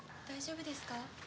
大丈夫ですか？